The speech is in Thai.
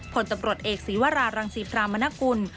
ผลตำรวจเอกศีวรารังศรีพรามนกุล